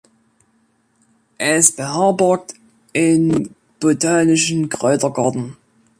Es beherbergt einen botanischen Kräutergarten.